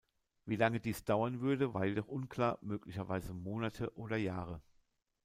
Wie lange dies dauern würde, war jedoch unklar, möglicherweise Monate oder Jahre.